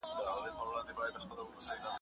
څښتن یې ویني، چې غنم شول د «هغې» غاړهکۍ